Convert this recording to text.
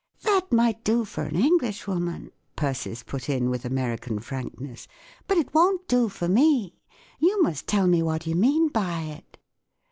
" That might do for an Englishwoman," Persis put in, with American frankness, 14 but it won't do for me. You must tell me what you mean by it."